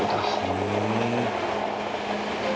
へえ。